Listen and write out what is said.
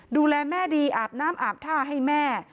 ดูแลแม่ดีอาบน้ำอาบท่าให้แม่